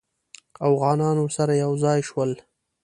اوغانان ورسره یو ځای شول.